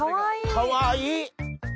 かわいい。